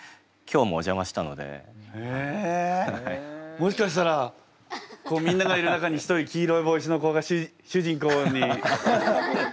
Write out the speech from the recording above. もしかしたらこうみんながいる中に一人黄色い帽子の子が主人公に。